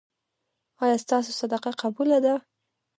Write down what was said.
ایا ستاسو صدقه قبوله ده؟